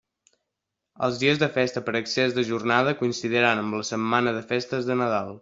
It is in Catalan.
Els dies de festa per excés de jornada coincidiran amb la setmana de festes de Nadal.